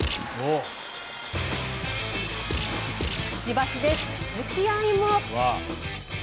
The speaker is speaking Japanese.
くちばしでつつき合いも。